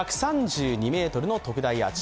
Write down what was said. こちらも１３２ｍの特大アーチ。